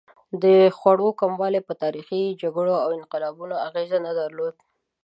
د خوړو کموالی په تاریخي جګړو او انقلابونو اغېز نه درلود.